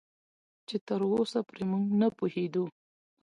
چې تراوسه پرې موږ نه پوهېدو